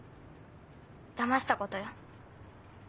だましたことよ